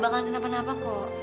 dia gak bakalan kenapa napa kok